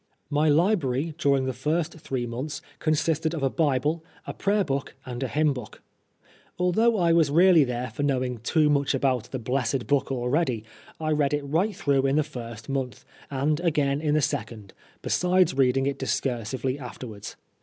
My library, during the first three months, consisted of a Bible, a Prayer Book and a Hymn Book. Although I was really there for knowing too much about the " blessed book " already, I read it right through in the first month, and again in the second, besides reading it discursively afterwards.